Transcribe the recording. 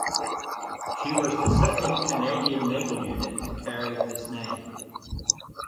She was the second Canadian naval unit to carry this name.